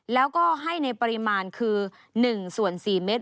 แล้วก็ให้ในปริมาณคือ๑ส่วน๔เมตร